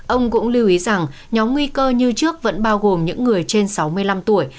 ông cũng lưu ý rằng nhóm nguy cơ như trước vẫn bao gồm những người trên sáu mươi năm tuổi